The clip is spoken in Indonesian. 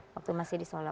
waktu masih di solok